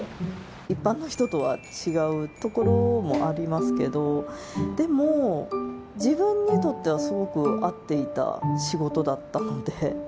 「一般の人とは違うところもありますけどでも自分にとってはすごく合っていた仕事だったので」。